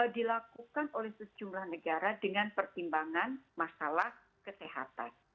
dilakukan oleh sejumlah negara dengan pertimbangan masalah kesehatan